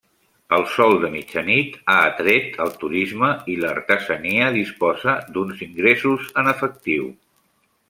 El sol de mitjanit ha atret el turisme i l'artesania disposa d'uns ingressos en efectiu.